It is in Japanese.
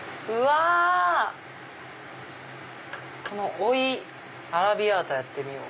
追いアラビアータやってみよう。